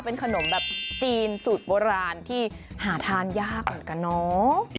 เป็นขนมแบบจีนสูตรโบราณที่หาทานยากเหมือนกันเนาะ